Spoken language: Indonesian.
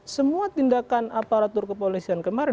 semua tindakan aparatur kepolisian kemarin